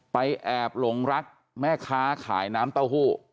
แอบหลงรักแม่ค้าขายน้ำเต้าหู้